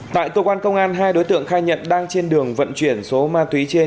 tại cơ quan công an hai đối tượng khai nhận đang trên đường vận chuyển số ma túy trên